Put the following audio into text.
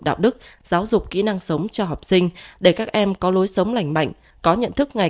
đạo đức giáo dục kỹ năng sống cho học sinh để các em có lối sống lành mạnh có nhận thức ngày